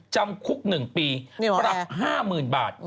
จำคุก๑ปีปรับ๕๐๐๐บาท